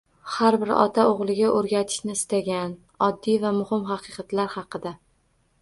Har bir ota o‘g‘liga o‘rgatishni istagan oddiy va muhim haqiqatlar haqida